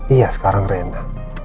iya sekarang rena